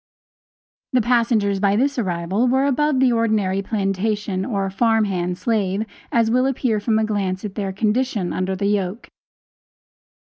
The passengers by this arrival were above the ordinary plantation or farm hand slave, as will appear from a glance at their condition under the yoke.